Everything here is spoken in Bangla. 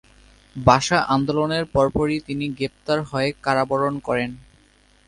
ভাষা আন্দোলনের পরপরই তিনি গ্রেপ্তার হয়ে কারাবরণ করেন।